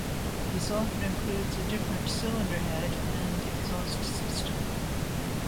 This often includes a different cylinder head and exhaust system.